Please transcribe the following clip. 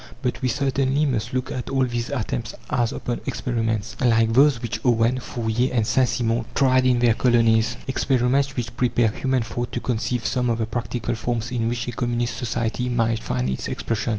But we certainly must look at all these attempts as upon experiments like those which Owen, Fourier, and Saint Simon tried in their colonies experiments which prepare human thought to conceive some of the practical forms in which a communist society might find its expression.